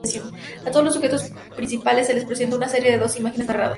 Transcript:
A todos los sujetos participantes se les presentó una serie de doce imágenes narradas.